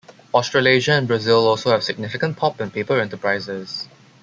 Australasia and Brazil also have significant pulp and paper enterprises.